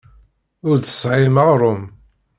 Ur d-tesɣim aɣrum.